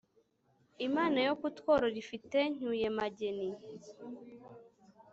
imana yo kutworora ifite ncyuye-mageni.